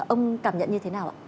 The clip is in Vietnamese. ông cảm nhận như thế nào ạ